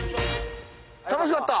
楽しかった！